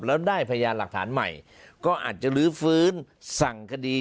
แล้วได้พยานหลักฐานใหม่ก็อาจจะลื้อฟื้นสั่งคดี